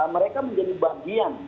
mereka menjadi bagian